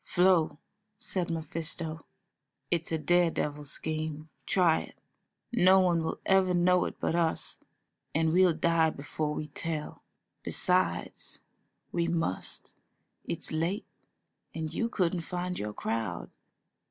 "Flo," said Mephisto, "it's a dare devil scheme, try it; no one will ever know it but us, and we'll die before we tell. Besides, we must; it's late, and you couldn't find your crowd."